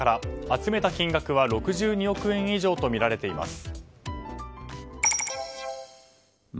集めた金額は６２億円以上とみられています。